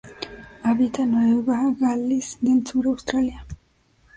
Habita en Nueva Gales del Sur Australia.